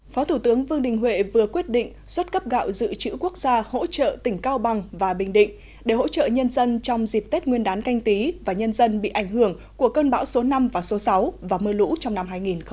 phó thủ tướng vương đình huệ vừa quyết định xuất cấp gạo dự trữ quốc gia hỗ trợ tỉnh cao bằng và bình định để hỗ trợ nhân dân trong dịp tết nguyên đán canh tí và nhân dân bị ảnh hưởng của cơn bão số năm và số sáu và mưa lũ trong năm hai nghìn hai mươi